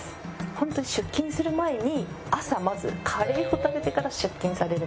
ホントに出勤する前に朝まずカレーを食べてから出勤されるという。